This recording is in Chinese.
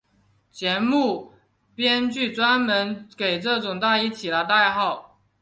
节目编剧专门给这种大衣起了代号。